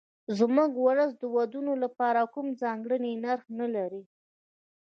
زموږ ولس د ودونو لپاره کوم ځانګړی نرخ نه لري.